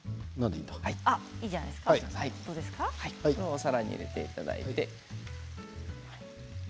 お皿に入れていただいて。